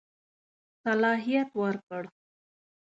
صلاحیت ورکړ.